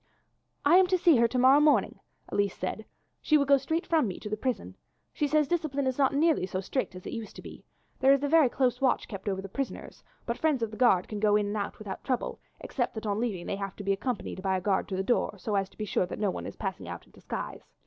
"I am to see her to morrow morning," Elise said. "She will go straight from me to the prison. She says discipline is not nearly so strict as it used to be. There is a very close watch kept over the prisoners, but friends of the guards can go in and out without trouble, except that on leaving they have to be accompanied by the guard at the door, so as to be sure that no one is passing out in disguise.